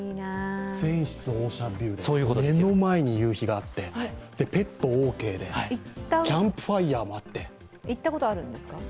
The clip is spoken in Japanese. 全室オーシャンビューで、ペットオーケーで、キャンプファイアもあって、行ったことあるんですか？